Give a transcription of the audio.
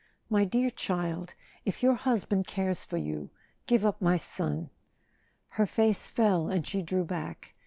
" My dear child, if your hus¬ band cares for you, give up my son." Her face fell, and she drew back.